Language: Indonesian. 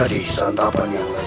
jadi santapan yang lezat